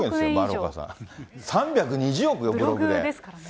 丸岡さん、３２０億ですよ、ブログですからね。